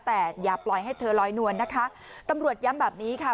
แต่อย่าปล่อยให้เธอลอยนวลนะคะตำรวจย้ำแบบนี้ค่ะ